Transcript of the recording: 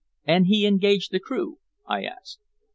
"And he engaged the crew?" I asked.